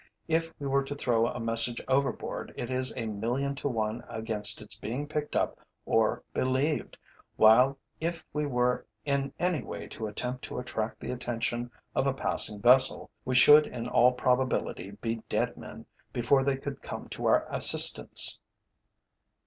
If we were to throw a message overboard, it is a million to one against its being picked up or believed, while if we were in any way to attempt to attract the attention of a passing vessel, we should in all probability be dead men before they could come to our assistance."